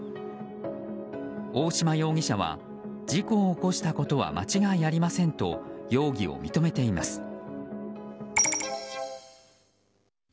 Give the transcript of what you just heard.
大島容疑者は事故を起こしたことは間違いありませんと容疑を認めています。